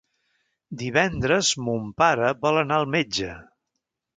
Divendres mon pare vol anar al metge.